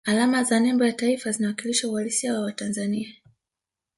alama za nembo ya taifa zinawakilisha uhalisia wa watanzania